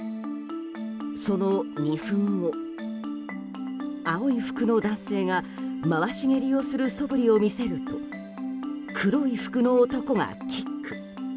その２分後、青い服の男性が回し蹴りをするそぶりを見せると黒い服の男がキック。